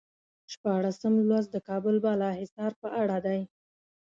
شپاړسم لوست د کابل بالا حصار په اړه دی.